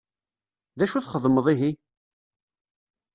D acu txedmeḍ ihi?